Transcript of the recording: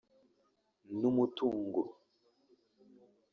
n’umutungo